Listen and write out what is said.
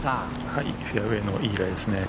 フェアウエーのいいライですね。